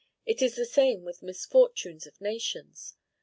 It is the same with misfortunes of nations.